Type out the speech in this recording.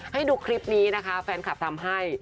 ให้ดูคลิปนี้นะคะแฟนคลับทำให้